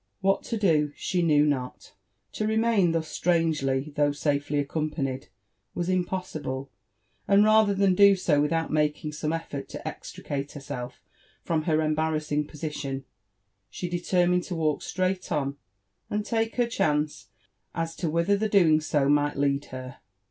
What to do she know not. To remain thus strangely though safely accompanied, was impossible ; and rather than do so without making some effort to extricate herself from her embarrassing position, she determined to walk straight on and lake her chance as to whilher the doing so might lead her.